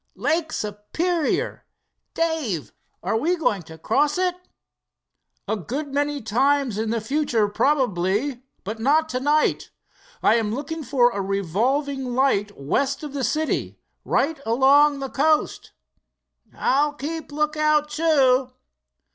"Lake Superior! Dave, are we going to cross it?" "A good many times in the future probably, but not tonight. I am looking for a revolving light west of the city, right along the coast." "I'll keep a lookout, too."